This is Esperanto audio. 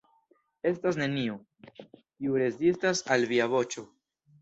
Estas neniu, kiu rezistas al Via voĉo.